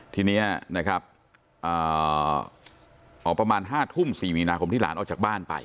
ทีนี้ประมาณ๕ทุ่ม๔มีนาคมที่หลานออกจากบ้านไป